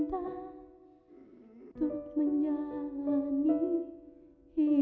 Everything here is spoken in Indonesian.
bapak udah selesai